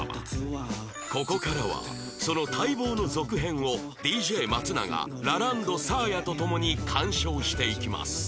ここからはその待望の続編を ＤＪ 松永ラランドサーヤと共に観賞していきます